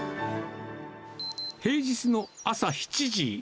平日の朝７時。